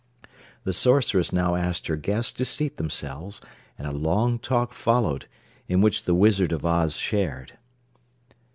The Sorceress now asked her guests to seat themselves and a long talk followed, in which the Wizard of Oz shared.